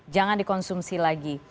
jangan dikonsumsi lagi